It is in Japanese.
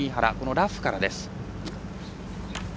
ラフからです。